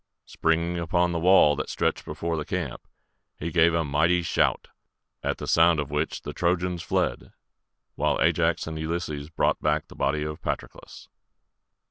Springing upon the wall that stretched before the camp, he gave a mighty shout, at the sound of which the Trojans fled, while Ajax and Ulysses brought back the body of Patroclus.